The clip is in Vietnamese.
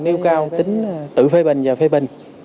nhiêu cao tính tự phê bình và phê bình